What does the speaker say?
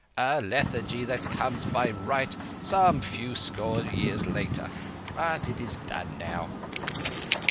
"A lethargy that comes by right some few score years later. But it is done now."